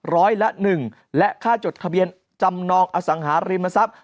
ร้อยละ๑และค่าจดทะเบียนจำนองอสังหาริมทรัพย์